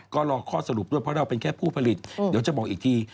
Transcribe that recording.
ก็รอข้อสรุปด้วยเพราะเราเป็นแค่ผู้ผลิตเดี๋ยวจะบอกอีกที